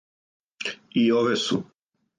И ове су.